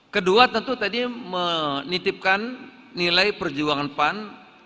kedua tentu tadi menitipkan nilai perjuangan pan